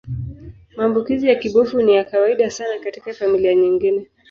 Maambukizi ya kibofu ni ya kawaida sana katika familia nyingine.